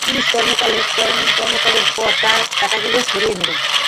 পুলিশরা কর্মকালের পর রাতে টাকাগুলো সরিয়ে নেবে।